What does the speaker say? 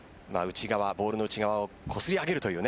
オールの内側をこすり上げるという。